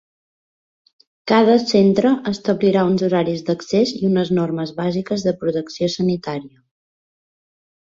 Cada centre establirà uns horaris d’accés i unes normes bàsiques de protecció sanitària.